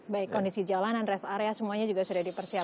baik kondisi jalanan rest area semuanya juga sudah dipersiapkan